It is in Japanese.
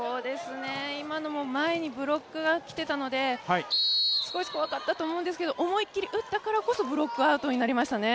今のも前にブロックが来てたので少し怖かったと思うんですけれども、思い切り打ったのでブロックアウトとなりましたね。